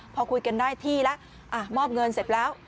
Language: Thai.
พอคุยกันได้ที่แล้วมอบเงินเสร็จแล้ว